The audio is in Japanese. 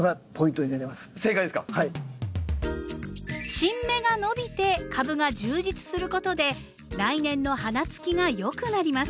新芽が伸びて株が充実することで来年の花つきが良くなります。